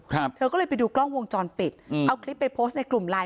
ครับเธอก็เลยไปดูกล้องวงจรปิดอืมเอาคลิปไปโพสต์ในกลุ่มไลน์